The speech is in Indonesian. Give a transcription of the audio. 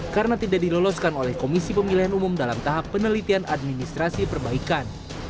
karena tidak diloloskan oleh komisi pemilihan umum dalam tahap penelitian administrasi perbaikan